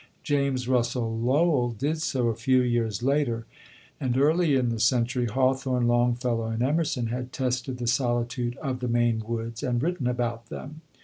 James Russell Lowell did so a few years later, and, early in the century, Hawthorne, Longfellow, and Emerson had tested the solitude of the Maine woods, and written about them.